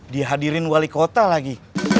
dihadirin wali kota lagi